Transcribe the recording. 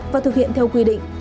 và thực hiện theo quy định